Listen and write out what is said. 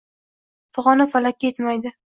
fig‘oni falakka yetmaydi.